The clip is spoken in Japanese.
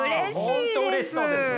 本当うれしそうですね。